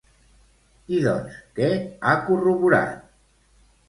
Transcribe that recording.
I doncs, què ha corroborat?